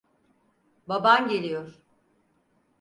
Baban geliyor.